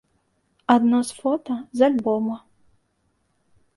Адно з фота з альбома.